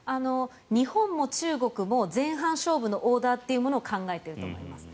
日本も中国も前半勝負のオーダーというものを考えていると思います。